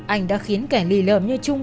anh đã khiến kẻ lì lợm như trung